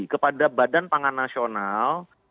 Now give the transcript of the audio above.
kepada badan pangan nasional